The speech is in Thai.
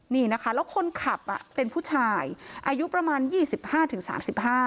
นี่นะคะแล้วคนขับเป็นผู้ชายอายุประมาณ๒๕ถึง๓๕